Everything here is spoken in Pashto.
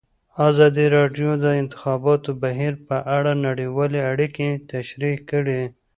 ازادي راډیو د د انتخاباتو بهیر په اړه نړیوالې اړیکې تشریح کړي.